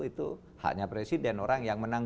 itu haknya presiden orang yang menang